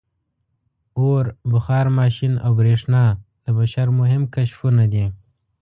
• اور، بخار ماشین او برېښنا د بشر مهم کشفونه دي.